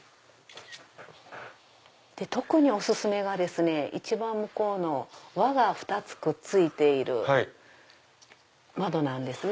特にお勧めが一番向こうの輪が２つくっついている窓なんですね。